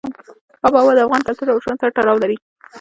آب وهوا د افغان کلتور او ژوند سره تړاو لري.